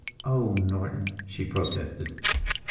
"Oh, Norton!" she protested.